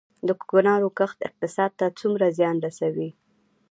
د کوکنارو کښت اقتصاد ته څومره زیان رسوي؟